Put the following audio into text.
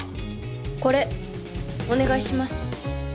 これお願いします。